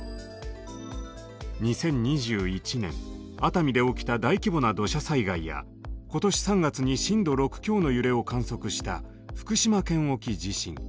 ２０２１年熱海で起きた大規模な土砂災害や今年３月に震度６強の揺れを観測した福島県沖地震。